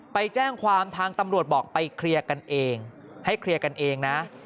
ไปแจ้งความทางตำรวจบอกไปเคลียร์กันเองให้เคลียร์กันเองนะ